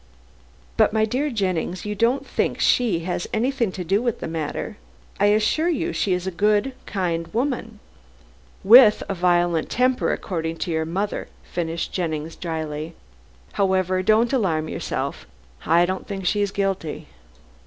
"But, my dear Jennings, you don't think she has anything to do with the matter. I assure you she is a good, kind woman " "With a violent temper, according to your mother," finished Jennings dryly. "However, don't alarm yourself. I don't think she is guilty."